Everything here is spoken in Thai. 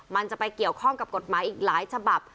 มันจะไปเกี่ยวข้องกับกฎหมายอีกหลายฉบับ